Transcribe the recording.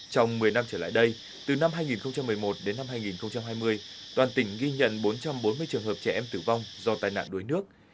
trong một mươi năm trở lại đây từ năm hai nghìn một mươi một đến năm hai nghìn hai mươi toàn tỉnh ghi nhận bốn trăm bốn mươi trường hợp trẻ em tử vong do tai nạn đuối nước